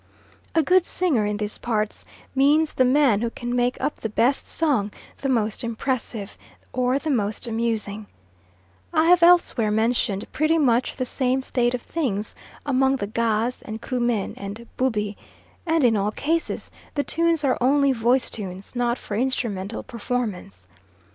A good singer, in these parts, means the man who can make up the best song the most impressive, or the most amusing; I have elsewhere mentioned pretty much the same state of things among the Ga's and Krumen and Bubi, and in all cases the tunes are only voice tunes, not for instrumental performance.